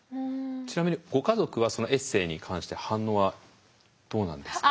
ちなみにご家族はそのエッセーに関して反応はどうなんですか？